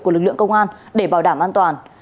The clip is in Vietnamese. của lực lượng công an để bảo đảm an toàn